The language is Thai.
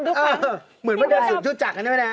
เหมือนมันเดินสูงชุดจักรกันด้วยนะพี่มดด